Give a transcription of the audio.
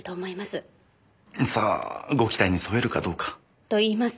さあご期待に沿えるかどうか。といいますと？